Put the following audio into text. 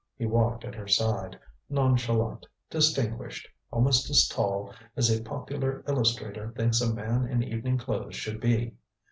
He walked at her side, nonchalant, distinguished, almost as tall as a popular illustrator thinks a man in evening clothes should be.